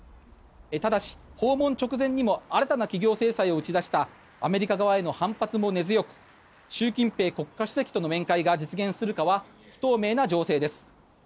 ただし、訪問直前にも新たな企業制裁を打ち出したアメリカ側への反発も根強く習近平国家主席との面会が実現するかは不透明な情勢です。